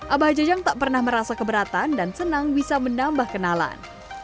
abah jajang tak pernah merasa keberatan dan senang bisa menambah kenalan